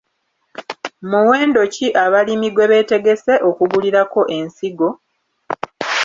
Muwendo ki abalimi gwe beetegese okugulirako ensigo?